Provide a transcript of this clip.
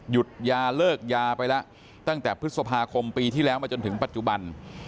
หยุดยาเลิกยาไปแล้วตั้งแต่พฤษภาคมปีที่แล้วมาจนถึงปัจจุบัน